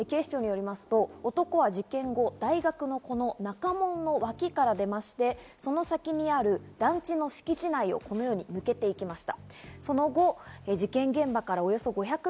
警視庁によりますと、男は事件後、大学のこの中門の脇から出まして、その先にある団地の敷地内をこのように抜けていきました。